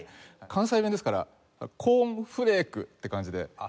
関西弁ですから「コーンフレーク！」って感じで。